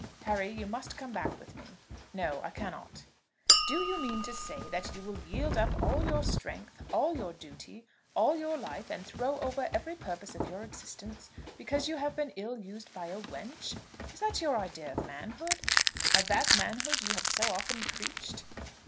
Harry, you must come back with me." "No; I cannot." "Do you mean to say that you will yield up all your strength, all your duty, all your life, and throw over every purpose of your existence because you have been ill used by a wench? Is that your idea of manhood, of that manhood you have so often preached?"